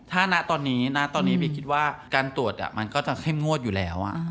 ถ้าณตอนนี้นะตอนนี้บีคิดว่าการตรวจมันก็จะเข้มงวดอยู่แล้ว